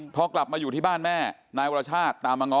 พอกลับมาอยู่ที่บ้านแม่นายวรชาติตามมาง้อ